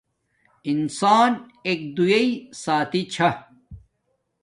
انسان ایک دوݵݵ ساتھی چھا